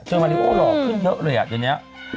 เจอมาริโอหล่อขึ้นเยอะเลยอ่ะตอนนี้